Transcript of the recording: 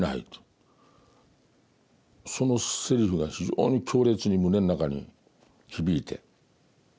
そのセリフが非常に強烈に胸の中に響いて。